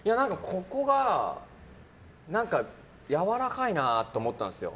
ここが何かやわらかいなと思ったんですよ。